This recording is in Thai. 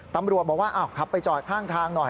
ตำรวจบอกว่าขับไปจอดข้างทางหน่อย